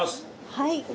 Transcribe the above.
はい。